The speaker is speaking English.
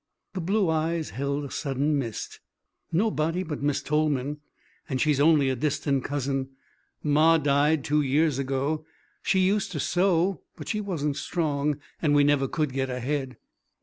The blue eyes held a sudden mist. "Nobody but Miss Tolman, and she's only a distant cousin. Ma died two years ago. She used to sew, but she wasn't strong, and we never could get ahead."